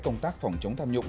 công tác phòng chống tham nhũng